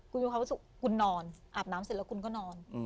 กูยังคิดว่าคุณนอนอาบน้ำเสร็จแล้วกูก็นอน